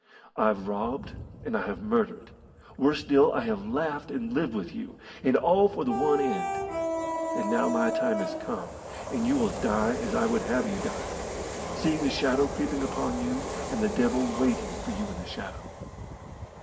I've robbed and I have murdered worse still, I have laughed and lived with you and all for the one end. And now my time has come, and you will die as I would have you die, seeing the shadow creeping upon you and the devil waiting for you in the shadow."